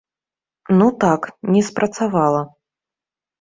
Ну так, не спрацавала.